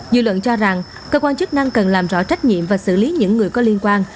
dư luận cho rằng cơ quan chức năng cần làm rõ trách nhiệm và xử lý những người có liên quan